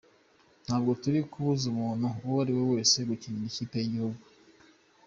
"Ntabwo turi kubuza umuntu uwo ari we wese gukinira ikipe y'igihugu.